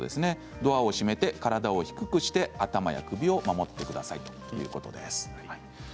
ドアを閉めて体を低くして頭や首を守ってくださいということです。